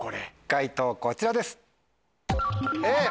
解答こちらです。